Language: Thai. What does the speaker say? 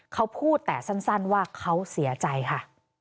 เขาพูดแต่สั้นว่าเขาเสียใจค่ะ